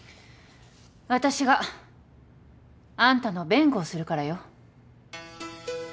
私があんたの弁護をするからよ。